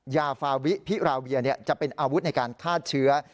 ยาฟาวิพิราเวียจะเป็นอาวุธในการฆ่าเชื้อ